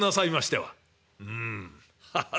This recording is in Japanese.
「うんハハッ！